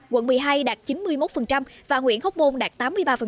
quận một mươi hai đạt chín mươi một và huyện hóc môn đạt tám mươi ba